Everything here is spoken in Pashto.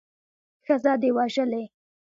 ښځه دې وژلې.